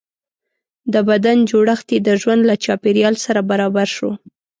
د بدن جوړښت یې د ژوند له چاپېریال سره برابر شو.